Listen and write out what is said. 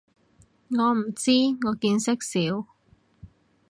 我唔知，我見識少